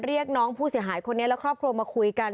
เรียกน้องผู้เสียหายคนนี้และครอบครัวมาคุยกัน